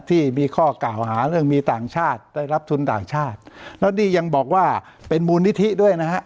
ที่มีข้อกล่าวหาเรื่องมีต่างชาติได้รับทุนต่างชาติแล้วนี่ยังบอกว่าเป็นมูลนิธิด้วยนะฮะ